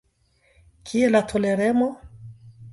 Kie la toleremo?